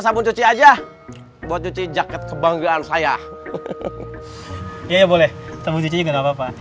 sampai jumpa di video selanjutnya